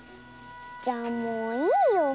じゃあもういいよ。